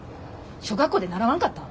小学校で習わんかった？